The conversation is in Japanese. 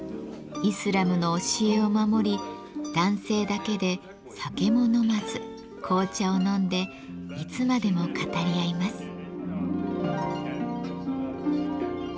イスラムの教えを守り男性だけで酒も飲まず紅茶を飲んでいつまでも語り合います。